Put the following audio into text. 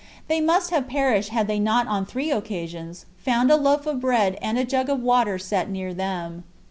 They must have perished had they not on three occasions found a loaf of bread and a jug of water set near them.